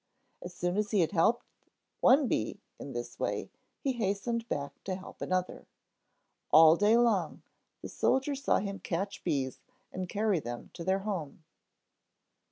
As soon as he had helped one bee in this way, he hastened back to help another. All day long the soldier saw him catch bees and carry them to their home.